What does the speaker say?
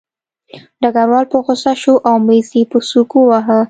ډګروال په غوسه شو او مېز یې په سوک وواهه